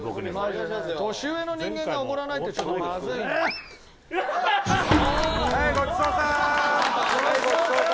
長嶋：年上の人間がおごらないってちょっとまずいよ。